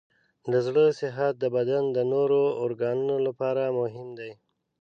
د زړه صحت د بدن د نورو ارګانونو لپاره مهم دی.